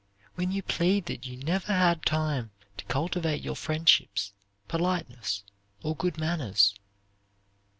When you plead that you never had time to cultivate your friendships, politeness, or good manners.